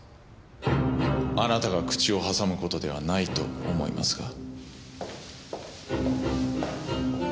あなたが口を挟む事ではないと思いますが。